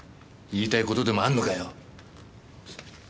言いたい事でもあるのかよ！？